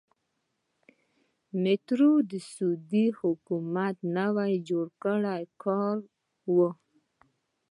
میټرو د سعودي حکومت نوی جوړ کړی کار و.